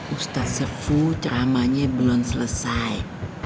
ustadz serfu ceramahnya belum selesai